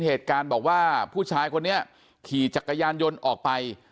เหตุการณ์บอกว่าผู้ชายคนนี้ขี่จักรยานยนต์ออกไป